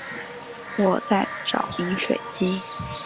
我在找饮水机